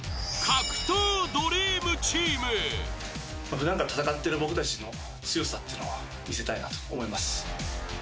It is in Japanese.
ふだんから戦ってる僕たちの強さっていうのを見せたいなと思います。